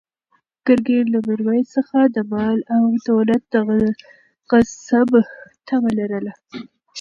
ګرګین له میرویس څخه د مال او دولت د غصب طمع لرله.